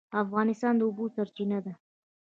افغانستان د اوبو سرچینه ده